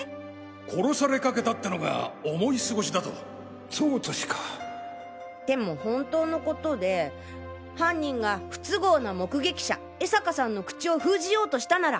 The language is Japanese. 殺されかけたってのが思い過ごしだとそうでも本当のことで犯人が不都合な目撃者江坂さんの口を封じようとしたなら。